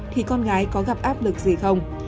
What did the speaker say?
thì con gái có gặp áp lực gì không